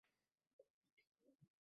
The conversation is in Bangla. বাতাসে সেগুলো একটু পরপর দুলছিল।